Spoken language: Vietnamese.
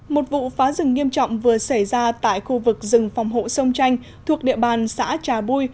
một vụ phá rừng nghiêm trọng vừa xảy ra tại khu vực rừng phòng hộ sông tranh thuộc địa bàn xã trà bui